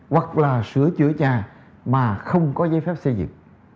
hoặc là sửa chữa nhà mà không có giấy phép xây dựng